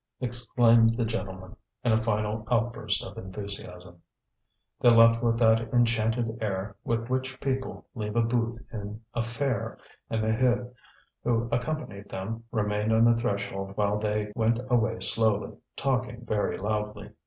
exclaimed the gentleman, in a final outburst of enthusiasm. They left with that enchanted air with which people leave a booth in a fair, and Maheude, who accompanied them, remained on the threshold while they went away slowly, talking very loudly.